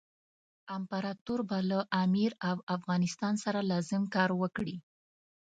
امپراطور به له امیر او افغانستان سره لازم کار وکړي.